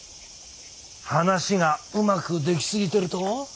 話がうまく出来過ぎてると？